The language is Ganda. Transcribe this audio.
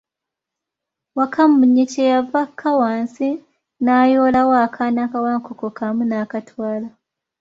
Wakamunye kye yava akka wansi n'ayoolawo akaaana ka Wankoko kamu n'akatwala.